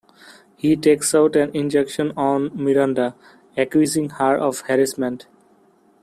He takes out an injunction on Miranda, accusing her of harassment.